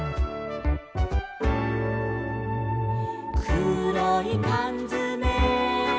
「くろいかんづめ」